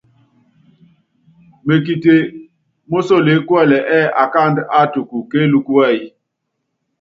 Mekite mósokeé kuɛlɛ ɛ́ɛ́ akáandú áátuku kéelúkú wɛ́yí.